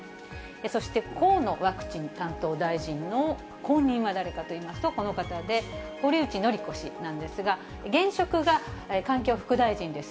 そして、河野ワクチン担当大臣の後任は誰かといいますと、この方で、堀内詔子氏なんですが、現職が環境副大臣です。